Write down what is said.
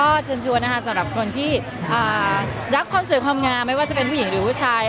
ก็เชิญชวนนะคะสำหรับคนที่รักความสวยความงามไม่ว่าจะเป็นผู้หญิงหรือผู้ชาย